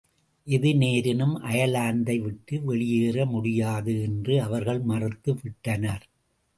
எது நேரினும் அயர்லாந்தை விட்டு வெளியேற முடியாது என்று அவர்கள் மறுத்து விட்டனர்.